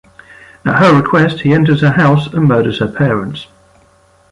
At her request, he enters her house and murders her parents.